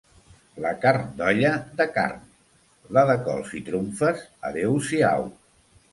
La carn d'olla de carn; la de cols i trumfes, adeu-siau.